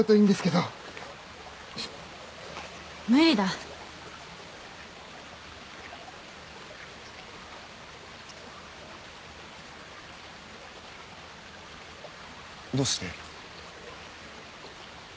どうして？